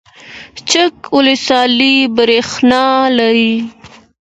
چک ولسوالۍ بریښنا لري؟